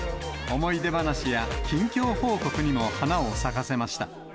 思い出話や近況報告にも花を咲かせました。